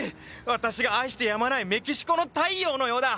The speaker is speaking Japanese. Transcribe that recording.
私が愛してやまないメキシコの太陽のようだ！